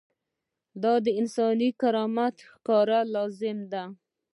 دا د انساني کرامت ښکاره لازمه ده.